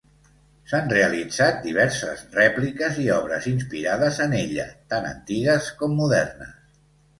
S'han realitzat diverses rèpliques i obres inspirades en ella, tant antigues com modernes.